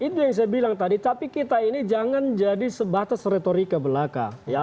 itu yang saya bilang tadi tapi kita ini jangan jadi sebatas retorika belaka